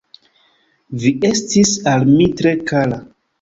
Vi estis al mi tre kara.